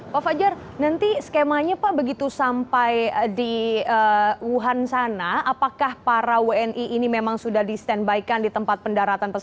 pak fajar nanti skemanya pak begitu sampai di wuhan sana apakah para wni ini memang sudah di standby kan di tempat pendaratan